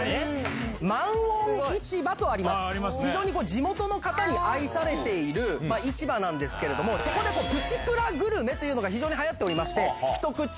地元の方に愛されている市場なんですけれどもそこでプチプラグルメというのが非常に流行っておりましてひとくち